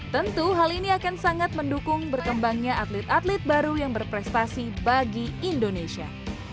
tentu hal ini akan sangat mendukung berkembangnya atlet atlet baru yang berprestasi bagi indonesia